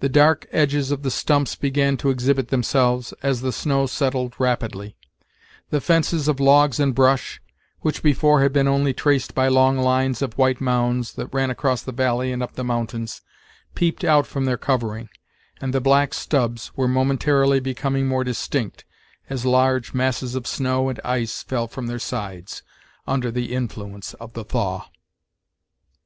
The dark edges of the stumps began to exhibit themselves, as the snow settled rapidly; the fences of logs and brush, which before had been only traced by long lines of white mounds, that ran across the valley and up the mountains, peeped out from their covering, and the black stubs were momentarily becoming more distinct, as large masses of snow and ice fell from their sides, under the influence of the thaw.